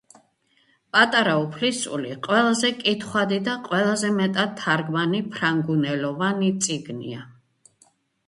პატარა უფლისწული ყველაზე კითხვადი და ყველაზე მეტად თარგმანი ფრანგულენოვანი წიგნია.